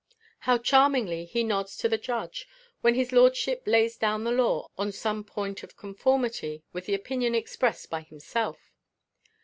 How charmingly he nods to the judge when his lordship lays down the law on some point in conformity with the opinion expressed by himself.